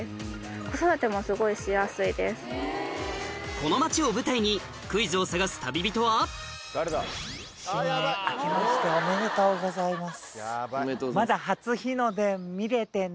この町を舞台にクイズを探す旅人は新年あけましておめでとうございます。